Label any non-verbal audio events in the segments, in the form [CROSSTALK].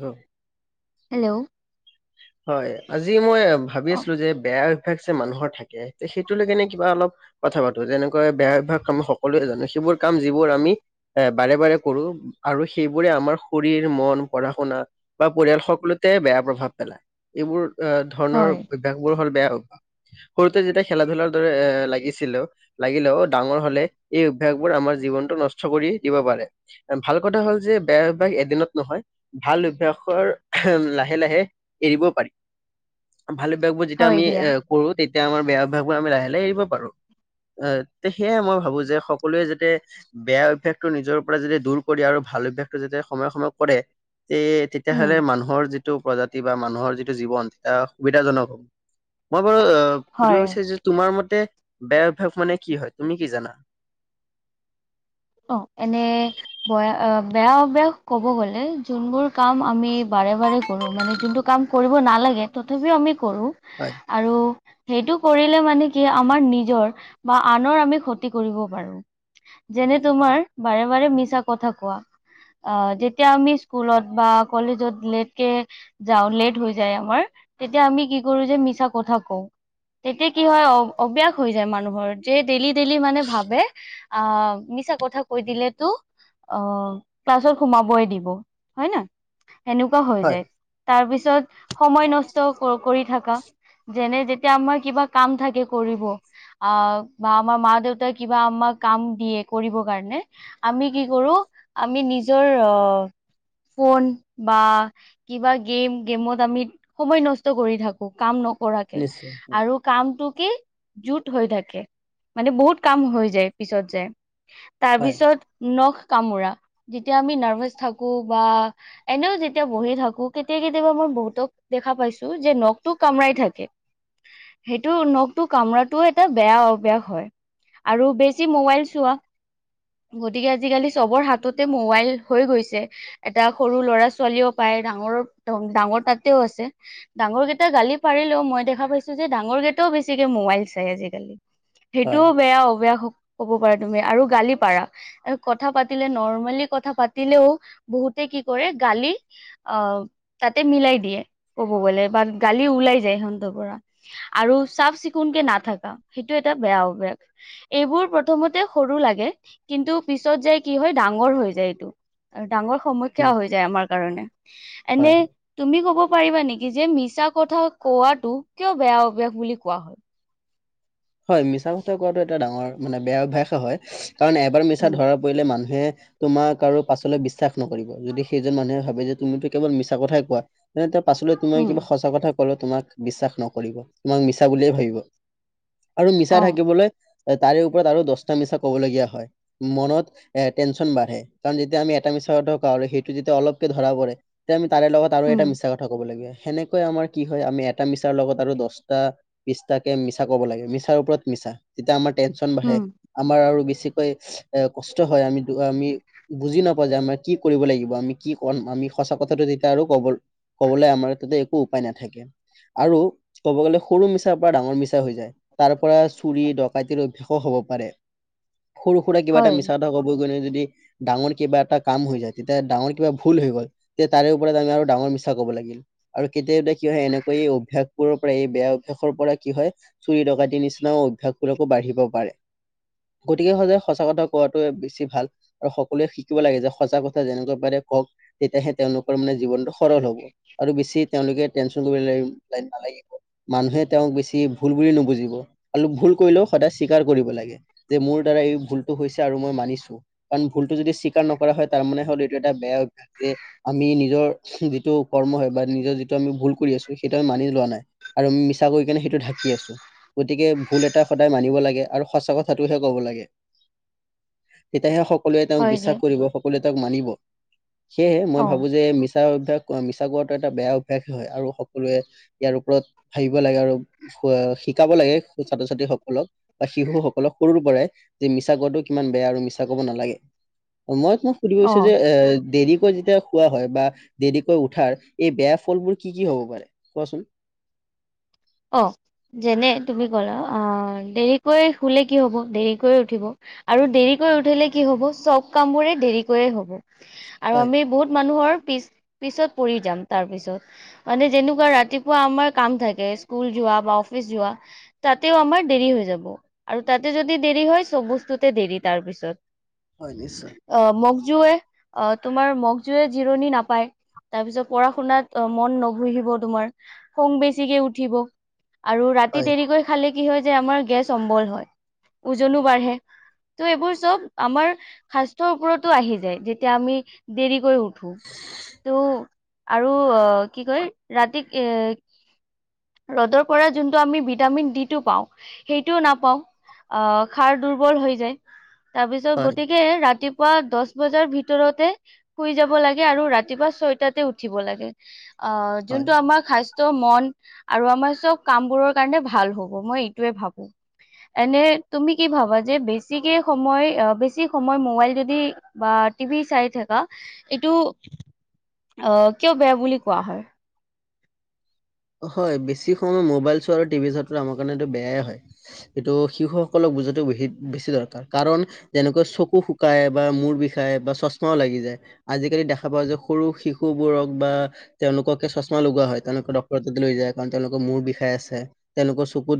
হয়, হেল্ল'। হয়। আজি মই ভাবি অ আছিলোঁ যে বেয়া বেয়া অভ্যাস যে মানুহৰ থাকে, সেইটোলৈ এনেই কিবা অলপ কথা পাতোঁ তেনেকৈ বেয়া অভ্যাস আমি সকলোৱে জানো সেইবোৰ কাম যিবোৰ আমি এ বাৰে-বাৰে কৰো আৰু সেইবোৰে আমাৰ শৰীৰ মন পঢ়া শুনা বা পৰিয়াল সকলোতে বেয়া প্ৰভাৱ পেলা এইবোৰ অ' ধৰণৰ হয় অভ্যাসবোৰ হ'ল, বেয়া সৰুতে যেতিয়া খেলা-ধূলাৰ দৰে এ লাগিছিলোঁ, লাগিলেও ডাঙৰ হলে এই অভ্যাসবোৰ আমাৰ জীৱনটো নষ্ট কৰি দিব পাৰে, ভাল কথা হ'ল যে বেয়া অভ্যাস এদিনত নহয় ভাল অভ্যাসৰ লাহে লাহে এৰিব পাৰি। ভালে [UNINTELLIGIBLE] বোৰ যেতিয়া হয় আমি দিয়া এ কৰোঁ তেতিয়া তেতিয়া আমাৰ বেয়া অভ্যাসবোৰ আমি লাহে লাহে এৰিব পাৰো। এ তে সেয়ে মই ভাবো যে সকলোৱে যাতে বেয়া অভ্যাসটো নিজৰ পৰা যাতে দূৰ কৰি আৰু ভাল অভ্যাসটো যাতে সময়ে সময়ে কৰে তে উম তেতিয়াহ'লে মানুহৰ যিটো প্ৰজাত কিবা মানুহৰ যিটো জীৱন [UNINTELLIGIBLE] সুবিধাজনক [UNINTELLIGIBLE] [UNINTELLIGIBLE] সুধিব হয় বিচাৰিছে তোমাৰ মত তে বেয়া অভ্যাস মানে কি হয় তুমি কি জানা? অ' এনে বয়া-বেয়া অভ্যাস ক'ব গ'লে যোনবোৰ কাম আমি বাৰে বাৰে কৰোঁ মানে যোনটো কাম কৰিব নালাগে তথাপিও আমি কৰোঁ হয়, আৰু সেইটো কৰিলে মানে কি আমাৰ নিজৰ বা আনৰ আমি ক্ষতি কৰিব পাৰো, যেনে তোমাৰ বাৰে বাৰে মিছা কথা কোৱা, অ যেতিয়া আমি স্কুলত বা কলেজত লেটকে যাওঁ লেট হৈ যায় আমাৰ, তেতিয়া আমি কি কৰো যে মিছা কথা কওঁ তেতিয়া কি হয় অ-অব্যাস হৈ যায় মানুহৰ যে ডেইলি ডেইলি মানে ভাবে অ' মিছা কথা কৈ দিলে টো অ ক্লাছত সোমাবই দিব হয় ন সেনেকুৱাও হৈ হয়, যায় তাৰ পিছ [UNINTELLIGIBLE] সময় নষ্ট ক-কৰি থাকা, যেনে যেতিয়া আমাৰ কিবা কাম থাকে কৰিব, আ বা আমাৰ মা দেউতাই কিবা আমাক কাম দিয়ে কৰিব কাৰণে আমি কি কৰো আমি নিজৰ অ ফোন বা কিবা গেম-গেমত আমি সময় নষ্ট কৰি থাকো, কাম ন কৰাকে নিশ্চয়। আৰু কামটোক কি জুট হৈ থাকে মানে বহুত কাম হৈ যায় পিছত যায়। হয়, তাৰপিছত নখ কামোৰা, যেতিয়া আমি নাৰ্ভাচ থাকো বা এনেও যেতিয়া বহি থাকো কেতিয়া-কেতিয়াবা মই বহুতক দেখা পাইছো যে নখটো কামৰাই থাকে, সেইটো নখটো কামৰাটো এটা বেয়া অভ্যাস হয়, আৰু বেছি মোবাইল চোৱা গতিকে আজিকালি চবৰ হাততে মোবাইল হৈ গৈছে এটা সৰু ল'ৰা ছোৱালীও পায় ডাঙৰ দ ডাঙৰ তাতেও আছে ডাঙৰ কেইটা গালি পাৰিলেও মই দেখা পাইছো যে ডাঙৰকেইটাও বেছিকে মোবাইল চাই আজিকালি হয়, সেইটোও বেয়া অভ্যাস হ ক'ব পাৰা তুমি আৰু গালি পাৰা এ কথা পাতিলে নৰমেলি কথা পাতিলেও বহুতে কি কৰে গালি অ তাতে মিলাই দিয়ে, কব গলে বা গালি উলাই যায় সিহঁতৰ পৰা, আৰু চাফ চিকুণকে নাথাকা, সেইটো এটা বেয়া অভ্যাস এইবোৰ প্ৰথমতে সৰু লা [UNINTELLIGIBLE] কিন্তু পিছত যাই কি হয় ডাঙৰ হৈ যায় এইটো, আৰ ডাঙৰ সমখ্যা উম, হৈ যায় আমাৰ কাৰণে, হয়, এনে হয়, তুমি কব পাৰিবা নেকি যে মিছা কথা কোৱাটো কিয় বেয়া অভ্যাস বুলি কোৱা হয়? হয় মিছা কথা কোৱাটো এটা ডাঙৰ মানে বেয়া অভ্যাসেই হয় কাৰণ এবাৰ মিছা উম, ধৰা পৰিলে মানু [UNINTELLIGIBLE] তোমাক আৰু পাছলৈ বিশ্বাস নকৰিব, যদি সেইজন মানুহে ভাবে যে তুমিতো কেৱল মিছা কথাই কোৱা। [UNINTELLIGIBLE] পাছলৈ তুমি উম, কিবা সঁচা কথা [UNINTELLIGIBLE] তোমাক বিশ্বাস নকৰিব, তোমাক মিছা বুলিয়ে ভাবিব। আৰু মিছা অ', ঢাকিবলৈ তাৰে ওপৰত আৰু দশটা মিছা ক'বলগীয়া হয়, মনত এটেনশ্যন বাঢ়ে কাৰণ যেতিয়া আমি এটা মিছা কথা কওঁ আৰু সেইটো যেতিয়া অলপকে ধৰা পৰে তেতিয়া আ তাৰে লগত আৰু উম, এটা মিছা কথা ক'ব লাগে। সেনেকৈ আমাৰ কি হয় আমি এটা মিছাৰ লগত আৰু দছটা বিছটাকে মিছ [UNINTELLIGIBLE] কব লাগে মিছাৰ ওপৰত মিছা তেতিয়া আমাৰ টেনচন বাঢ়ে উম, আমাৰ আৰু বেছি বেছিকৈ এ কষ্ট হয় আমি আমি বুজি নাপাওঁ যে আমাৰ কি কৰিব লাগিব আমি কি কম আমি সঁচা কথাটো তেতিয়া আৰু কব কবলে আমাৰ তাতে একো উপায় নাথাকে আৰু ক'ব গ'লে সৰু মিছাৰ পৰা ডাঙৰ মিছা [UNINTELLIGIBLE] হৈ যায় তাৰ পৰা চুৰি ডকাইতিৰ অভ্যাসো হ'ব পাৰে। সৰু সুৰা কিবা এটা হয়, মিছা কথা ক'ব গ'লে য দি ডাঙৰ কিবা এটা কাম হৈ যায় তেতিয়া ডাঙৰ কিবা ভূল হৈ গ'ল। তে তাৰে ওপৰত আমি আৰু ডাঙৰ মিছা ক'ব লাগিল আৰু কেতিয়াবা কি হয় এনেকুৱা এই অভ্যাসবোৰৰ পৰা এই বেয়া অভ্যাসৰ পৰা কি হয় চুৰি ডকাইতি নিচিনাও অভ্যাসবোৰকো বাঢ়িব পাৰে। গতিকে, সদায় সঁচা কথা কোৱাটোৱে বেছি ভাল আৰু সকলোৱে শিকিব লাগে যে সঁচা কথা যেনেকুৱা পাৰে কওঁক তেতিয়াহে তেওঁলোকৰ মানে জীৱন সৰল হ'ব আৰু বেছি তেওঁলোকে টেনচন কৰিব [UNINTELLIGIBLE] নালাগিব মানুহে তেওঁক বেছি ভুল বুলি নুবুজিব আৰু ভুল কৰিলেও সদায় স্বীকাৰ কৰিব লাগে যে মোৰ দ্বাৰা এই ভুলটো হৈছে আৰু মই মানিছোঁ কাৰণ, ভুলটো যদি স্বীকাৰ নকৰা হয় তাৰ মানে হ'ল এইটো এটা বেয়া অভ্যাস যে আমি নিজৰ যিটো কৰ্ম হয় বা নিজৰ যিটো আমি ভুল কৰি আছো সেইটো আমি মানি লোৱা নাই আৰু মিছা কৰি কেনে সেইটো ঢা কি আছোঁ গতিকে, ভুল এটা সদায় মানিব লাগে আৰু সঁচা কথাটোহে ক'ব লাগে। তেতিয়াহে স কলোৱে তেওঁক হয় দে বিশ্বাস কৰিব সকলোৱে তেওঁক মানি অ সেয়েহে মই ভাবো অ', যে মিছ ছা অভ্যাস [UNINTELLIGIBLE] মিছা কোৱাটো এটা বেয়া অভ্যাস হয় আৰু সকলোৱে ইয়াৰ ওপৰত ভাবিব লাগে, আৰু [UNINTELLIGIBLE] শিকাব লাগে ছাত্ৰ ছাত্ৰী সকলক বা শিশু সকলক সৰুৰ পৰাই যে মিছা কোৱাটো কিমান বেয়া আৰু মিছা ক'ব নালাগে [UNINTELLIGIBLE] মই মই সুধিব বিচাৰিছোঁ অ', এ যে দেৰি কৈ যেতিয়া খোৱা হয় বা দেৰিকৈ উঠাৰ এই বেয়া ফলবোৰ কি কি হ'ব পাৰে, কোৱাচোন? অহ, যেনে তুমি কলা, অ, দেৰিকৈ শুলে কি হ'ব! দেৰিকৈয়ে উঠিব আৰু দেৰিকৈ উঠিলে কি হ'ব! চব কাম বোৰে দেৰিকৈয়ে হ'ব। আৰু হয় আমি বহুত মানুহৰ পিছ-পিছত পৰি যাম তাৰপিছত। মানে যেনেকুৱা ৰাতিপুৱা আমাৰ কাম থাকে স্কুল যোৱা বা অফিচ যোৱা, তাতেও আমাৰ দেৰি হৈ যাব, আৰু তাতে যদি দেৰি হয়, চব বস্তুতে দেৰি তাৰ পিছত। হয় নিশ্চয়। জো [UNINTELLIGIBLE] তোমাৰ মগজুয়ে জিৰণি নাপায়, তাৰপিছত পঢ়া শুনাত মন ন'বহিব, তোমাৰ খং বেছিকে উঠ ঠিব আৰু ৰাতি হয় দেৰিকৈ খালে কি হয় যে আমাৰ গেছ অম্বল হয়, ওজনো বাঢ়ে, ত' এইবোৰ চব আমাৰ স্বাস্থ্যৰ ওপৰতো আহি যায় যেতিয়া আমি দেৰিকৈ শুও। টো আৰু কি কয়, ৰাতি এ ৰ'দৰ পৰা যোনটো আমি ভিটামিন ডি টো পাওঁ, সেইটোও নাপাওঁ আহ সাৰ দুৰ্বল হৈ যায়। তাৰ পিছত হয় গতিকে ৰাতি পোৱা দছ বজাৰ ভিতৰতে শুই যাব লাগে আৰু ৰাতিপুৱা ছয়টাতে উঠিব লাগে। অ, হয় যোনটো আমাৰ স্বা ত মন আৰু আমাৰ চব কামবোৰৰ কাৰণে ভাল হ'ব, মই এইটোৱে ভাবো। এনে তুমি কি ভাবা যে বেছিকে সময় অ, বেছি সময় মোবাইল যদি বা টিভি চাই থাকা এইটো অ, কিয় বেয়া বুলি কোৱা হয়? হয়, বেছি সময় মোবাইল চোৱা আৰু টিভি চোৱাটো আমাৰ কাৰণেটো বেয়াই হয়। এইটো শিশুসকলক বুজোৱাটো বে-বেছি দৰকাৰ কাৰণ, যেনেকৈ চকু শুকাই বা মূৰ বিষাই বা চশমা লাগি যায় আজিকালি দেখা পাওঁ যে সৰু শিশুবোৰক বা তেওঁলোককে চশমা লগোৱা হয় তেওঁলোকক ড লৈ যায় কাৰণ তেওঁলোকৰ মূৰ বিষাই আছে, তেওঁলোকৰ চকুত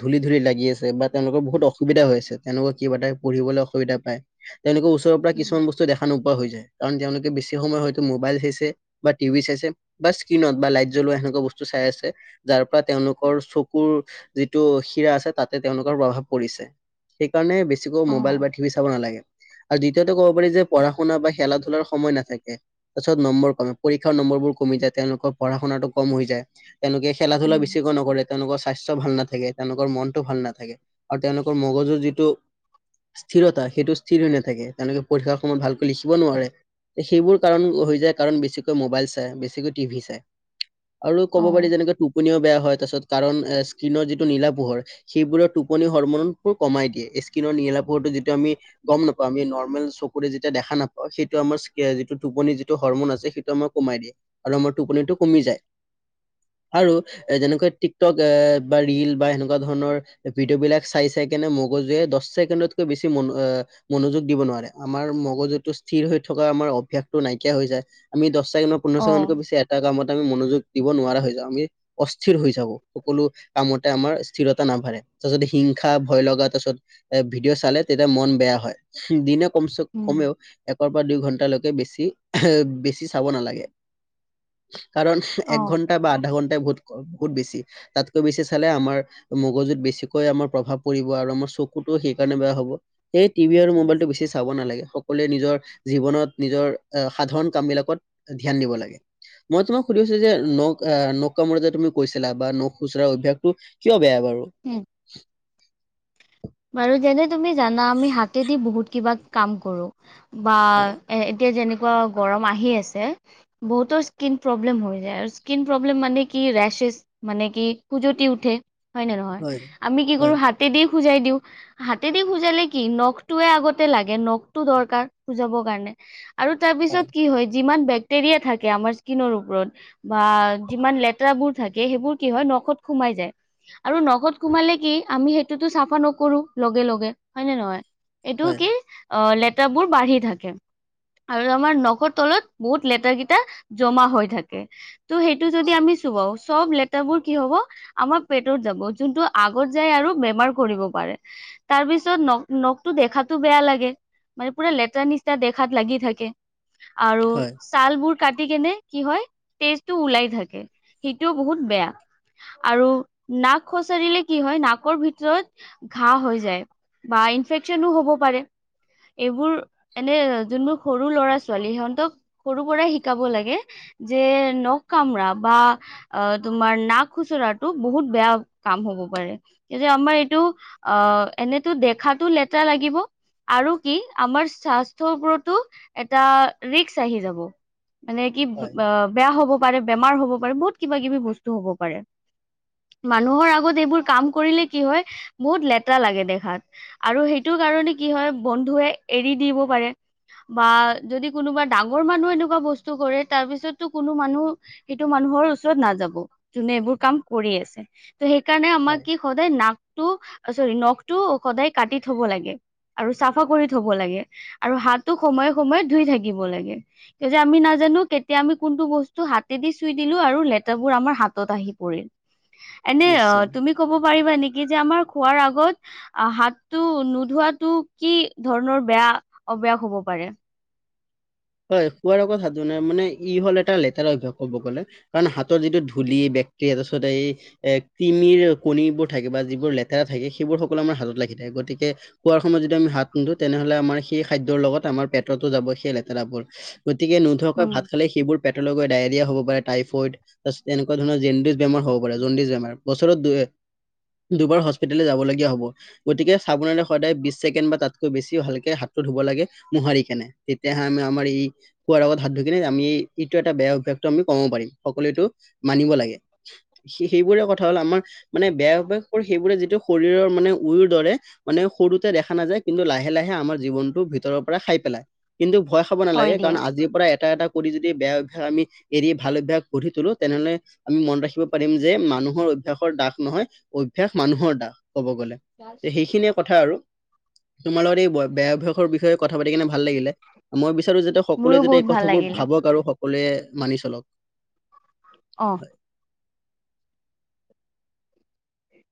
ধূলি ধূলি লাগি আছে, বা তেওঁলোকৰ বহুত অসুবিধা হৈ আছে, তেনেকুৱা কিবা এটা পঢ়িবলে অসুবিধা পায় তেওঁলোকে ওচৰৰ পৰা উম কিছুমান বস্তু দেখা নোপোৱা হৈ যায়। কাৰণ তেওঁলোকে বেছি সময় হয়তো মোবাইল চাইছে বা টি ভি চাইছে বা স্ক্ৰীণত বা লাইট জ্বলোৱা সেনেকুৱা বস্তু চাই আছে যাৰ পৰা তেওঁলোকৰ চকুৰ যিটো শিৰা আছে তাতে তেওঁলোকৰ প্ৰভাৱ পৰিছে, সেইকাৰণে বেছিকৈ মোবাইল বা অ'। টি ভি চাব নালাগে। আৰু দ্বিতীয়তে ক'ব পাৰি যে পঢ়া-শুনা বা খেলা-ধূলাৰ সময় নাথাকে তাৰ পিছত নম্বৰ কমে পৰীক্ষাৰ নম্বৰবোৰ কমি যায় তেওঁলোকৰ পঢ়া-শুনাটো কম হৈ যায়। [INAUDIBLE] তেওঁলোকে খেলা-ধূলা উম। বেছিকৈ নকৰে, তেওঁলোকক স্বাস্থ্য ভাল নাথাকে, তেওঁলোকৰ মনতটো ভাল নাথাকে। আৰু তেওঁলোকৰ মগজুৰ যিটো স্থিৰতা, সেইটো স্থিৰ হৈ নাথাকে তেওঁলোকে পৰীক্ষাৰ সময়ত ভালকৈ লিখিব নোৱাৰে সেইবোৰ কাৰণ হৈ যায় কাৰণ বেছিকৈ মোবাইল চাই, বেছিকৈ টি ভি চাই আ অ'। ক'ব পাৰি যেনেকৈ টোপনিও বেয়া হয় তা পিচত। কাৰণ স্কীনৰ যিটো নীলা পোহৰ সেইবোৰৰ টোপনি হৰ্মনটো কমাই দিয়ে স্কীনৰ নীলা পোহৰটো যিটো আমি গম নাপাওঁ আমি নৰ্মেল চকুৰে যেতিয়া দেখা নাপাওঁ সেইটো আমাৰ যিটো টোপনি যিটো হৰমন আছে সেইটো আমাৰ কমাই দিয়ে আৰু আমাৰ টোপনিটো কমি যায়। আৰু এ যেনেকৈ টিকটক্ এ বা ৰিল বা এনেকুৱা ধৰণৰ ভিডিঅ' বিলাক চাই-চাই কেনে মগজুৱে দছ ছেকেডতকৈ বেছি মনোযোগ দিব নোৱাৰে আমাৰ মগজুতটো স্থিৰ হৈ থকা আমাৰ অভ্যাসটো নাইকিয়া হৈ যায়। পোন্ধৰ ছেকেণ্ডকৈ অ', বেছি এটা কামত [UNINTELLIGIBLE] মনোযোগ। দিব নোৱাৰা হৈ যাওঁ আমি, অস্থিৰ হৈ যাব সকলো কামতে আমাৰ স্থিৰতা নাবাঢ়ে তাৰ যদি হিংসা ভয় লগা তাৰ পিছত এ ভিডিঅ' চালে তেতিয়া মন বেয়া হয়, দিনক কমচে উম। কমেও একৰ পৰা দুই ঘণ্ট টালৈকে বেছি-বেছি চাব নালাগে কাৰণ এক অ', ঘণ্টা বা আধা ঘণ্টা বহুত-বহুত বেছি তাতকৈ বেছি চালে আমাৰ মগজুত বেছিকৈ আমাৰ প্ৰভাৱ পৰিব আৰু আমাৰ চকুতটোও সেই কাৰণে বেয়া হব সেই টি ভি আৰু মোবাইলটো বেছি চাব নালাগে সকলোৱে নিজৰ জীৱনত নিজৰ সাধাৰণ কামবিলাকত ধ্যান দিব লাগে। মই তোমাক সুধি যে নখ-নখ কামুৰে যে তুমি কৈছিলা বা নখ খুচুৰা অভ্যাসটো কিয় বেয়া? বাৰু। উম। [UNINTELLIGIBLE] যেনে। তুমি জানা আমি হাতেদি বহুত কিবা কাম কৰোঁ। বা হয় এ এতিয়া যেনে [UNINTELLIGIBLE] গৰম আহি আছে বহুতৰ স্কীন প্ৰব্লেম হৈ যায় আৰু স্কীন প্ৰব্লেম মানে কি ৰেচছ, মানে কি খুজতি উঠে। হয় নে নহয় আমি কি কৰো হয় হাতে দি বুজাই দিওঁ। হাতেদি খুজালে কি নখটোৱে আগতে লাগে নখটো দৰকাৰ খুজাবৰ কাৰণে। আৰু তাৰ পিছত কি হয়। যিমান বেক্টেৰিয়া থাকে আমাৰ স্কীনৰ ওপৰত বা যিমান লেতেৰাবোৰ থাকে সেইবোৰ কি হয় নখত সোমাই যায় আৰু নখত সোমালে কি আমি সেইটোতো চাফা ন কৰোঁ লগে-লগে হয় নে নহয়? এইটো কি, অ' [UNINTELLIGIBLE] বোৰ বাঢ়ি থাকে আৰু আমাৰ নখৰ তলত বহুত লেতেৰা কিটা জমা হৈ থাকে তো সেইটো যদি আমি চুৱাও চব লেতৰাবোৰ কি হ'ব, আমাৰ পেটত যাব জুনটো আগত যায় আৰু বেমাৰ কৰিব। [UNINTELLIGIBLE] তাৰ পিছত ন-নখটো দেখাতো বেয়া লাগে, মানে পুৰা লেতেৰা নিচিনা দেখাত লাগি থাকে আৰু হয় হয় ছাল বোৰ কাটি কেনে কি হয়, তেজটো ওলাই থাকে, সেইটোও বহুত বেয়া আৰু নাক খচৰিলে কি হয় নাকৰ ভিতৰত ঘা হৈ যায় বা ইনফেকচনো হ'ব পাৰে। এইবোৰ এনে জোনবোৰ সৰু ল'ৰা ছোৱালী সিহঁতক সৰু পৰাই শিকাব লাগে, যে নখ কামৰা বা তোমাৰ নাক খুচৰাতটো বহুত বেয়া কাম হ'ব পাৰে। কেতিয়া আমাৰ আহ এনেতো দেখাতো লেতেৰা লাগিব আৰু কি আমাৰ স্বাস্থ্যৰ ওপৰতো এটা ৰিস্ক আহি যাব। মানে কি ব হয় অ, বেয়া হ'ব পাৰে, বেমাৰ হ'ব পাৰে বহুত কিবা কিবি বস্তু হ'ব পাৰে। মানুহৰ আগত এইবোৰ কাম কৰিলে কি হয় বহুত লেতৰা লাগে দেখাত আৰু সেইটো কাৰণে কি হয় বন্ধুৱে এৰি দিব পাৰে, বা যদি কোনোবা ডাঙৰ মানুহ এনেকুৱা বস্তু কৰে তাৰ পিছতো কোনো মানুহ সেইটো মানুহৰ ওচৰত নাযাব, জোনে এইবোৰ কাম কৰি আছে। ত' সেইকাৰণে আমাৰ হয় কি সদায় নাক [UNINTELLIGIBLE] চৰি নখটো সদায় কাটি থব লাগে আৰু চাফা কৰি থব লাগে আৰু হাতো সময়ে সময়ে ধুই থাকিব লাগে, যে আমি নাজানো কেতিয়া আমি কোনটো বস্তু হাতেদি চুই দিলো আৰু লেতেৰা বোৰ আমাৰ হাতত আহি পৰিল। এনে অ, নিশ্চয় তুমি ক'ব পাৰিবা নেক কি যে আমাৰ খোৱাৰ আগত অ, হাতটো নোধোৱাটো কি ধৰণৰ বেয়া অভ্যাস হ'ব পাৰে? হয় খোৱাৰ আগত হাত ধোঁৱা নাই, মানে ই হ'ল এটা লেতেৰা অভ্যাস ক'ব গ'লে, কাৰণ হাতৰ যিটো ধূলি বেক্টেৰিয়া তাৰ পিছত এই এ, কৃমিৰ কণীবোৰ থাকে বা যিবোৰ লেতেৰা থাকে, সেইবোৰ সকলো আমাৰ হাতত লাগি থাকে। গতিকে খোৱাৰ সময়ত যদি আমি হাত নোধোও তেনেহ'লে আমাৰ সেই খাদ্যৰ লগত আমাৰ পেটতো যাব সেই লেত [UNINTELLIGIBLE] গতিকে নোধোৱাকৈ উম। ভাত খালে সেইবোৰ পেটলৈ গৈ ডায়েৰিয়া হ'ব পাৰে, টাইফইড। [UNINTELLIGIBLE] এনেকুৱা ধৰণৰ জণ্ডিছ বেমাৰ হ'ব পাৰে, জণ্ডিছ বেমাৰ। বছৰত দু-এ-দুবাৰ হস্পিতাললৈ যাবলগীয়া হ'ব। গতিকে চাবোনৰে সদায় বিশ ছেকেণ্ড বা তাতকৈ বেছি ভালকে হাতটো ধুব লাগে মোহাৰি কেনে। [UNINTELLIGIBLE] খোৱাৰ আগত হাত ধুই কিনে আমি ইটো এটা বেয়া অভ্যাসটো আমি কমাব পাৰিম, সকলোৱে এইটো মানিব লাগে। সেইবোৰে কথা হ'ল আমাৰ মানে বেয়া অভ্যাস কৰে, সেইবোৰে যিটো শৰীৰৰ মানে উঁইৰ দৰে, মানে সৰুতে দেখা নাযায়, কিন্তু লাহে লাহে আমাৰ জীৱনটো ভিতৰৰ পৰা খাই পেলায়। কিন্তু ভয় খাব নালাগে, হয় কাৰণ দিয়া আজিৰ পৰা এটা এটা কৰি যদি বেয়া অভ্যাস আমি এৰি ভাল অভ্যাস গঢ়ি তোলো, তেনেহ'লে আমি মনত ৰাখিব পাৰিম যে মানুহৰ অভ্যাসৰ দাস নহয় অভ্যাস মানুহৰ দাস। ক'ব গ'লে সেইখিনিয়ে কথা আৰু তোমাৰ লগত এই ব-বেয়া অভ্যাসৰ বিষয়ে কথা পাতি কিনে ভাল লাগিলে। মই বে যাতে মোৰো সকলোৱে যাতে এই বহুত ভাল কথাবোৰ লাগিলে ভাবক আৰু সকলোৱে মানি চলক। অ'।